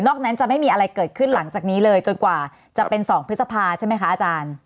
นั้นจะไม่มีอะไรเกิดขึ้นหลังจากนี้เลยจนกว่าจะเป็น๒พฤษภาใช่ไหมคะอาจารย์